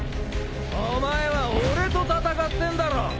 お前は俺と戦ってんだろ？